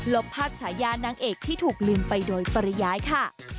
บภาพฉายานางเอกที่ถูกลืมไปโดยปริยายค่ะ